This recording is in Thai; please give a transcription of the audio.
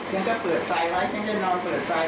ฉันก็เปิดไฟไว้ฉันก็นอนเปิดไฟ